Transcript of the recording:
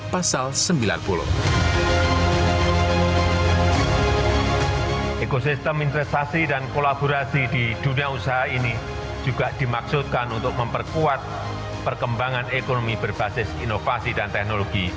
pertama di dalam perusahaan ini pemerintah memiliki kekuatan yang sangat tinggi